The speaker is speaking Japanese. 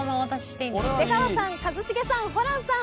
出川さん一茂さんホランさん！